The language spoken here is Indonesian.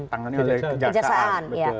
tangan oleh kejaksaan